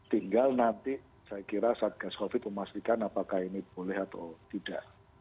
tinggal nanti saya kira satgas covid memastikan apakah ini boleh atau tidak